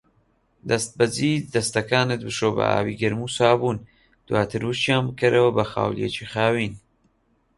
دەستبەجی دەستەکانت بشۆ بە ئاوی گەرم و سابوون، دواتر وشکیان بکەرەوە بە خاولیەکی خاوین.